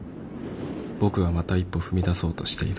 僕はまた一歩踏み出そうとしている」。